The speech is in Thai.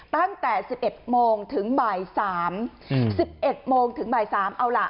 ตั้งแต่สิบเอ็ดโมงถึงบ่ายสามอืมสิบเอ็ดโมงถึงบ่ายสามเอาล่ะ